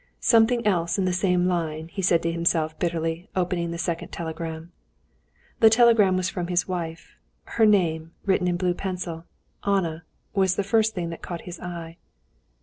"Something else in the same line," he said to himself bitterly, opening the second telegram. The telegram was from his wife. Her name, written in blue pencil, "Anna," was the first thing that caught his eye.